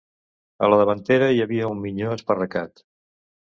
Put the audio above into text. A la davantera, hi havia un minyó esparracat